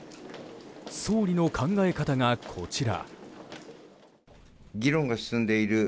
総理の考え方が、こちら。